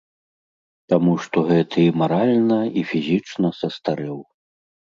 Таму што гэты і маральна, і фізічна састарэў.